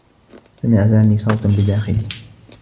سمع سامي صوتا بداخله.